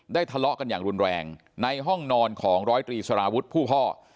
ทะเลาะกันอย่างรุนแรงในห้องนอนของร้อยตรีสารวุฒิผู้พ่อ